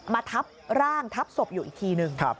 ทับร่างทับศพอยู่อีกทีหนึ่ง